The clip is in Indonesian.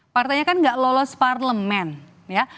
partainya kan gak lolos parlemen ya